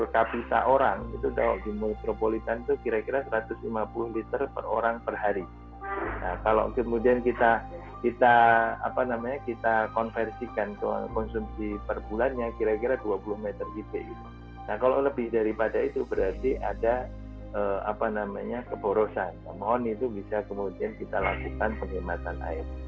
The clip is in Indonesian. kira kira dua puluh meter itu nah kalau lebih daripada itu berarti ada keborosan mohon itu bisa kemudian kita lakukan penghematan air